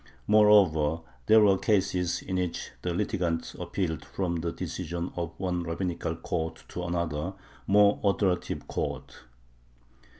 Moreover there were cases in which the litigants appealed from the decision of one rabbinical court to another, more authoritative, court.